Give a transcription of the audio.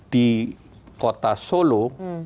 di kota solo